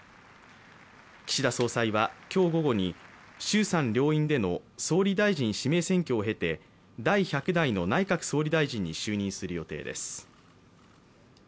岸田総裁は今日午後に、衆参両院での総理大臣指名選挙を経て第１００代の内閣総理大臣に就任する予定です。